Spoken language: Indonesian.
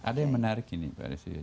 ada yang menarik ini pak desi